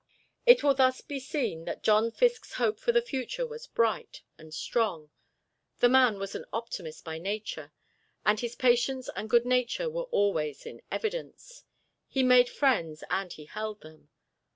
It will thus be seen that John Fiske's hope for the future was bright and strong. The man was an optimist by nature, and his patience and good nature were always in evidence. He made friends, and he held them.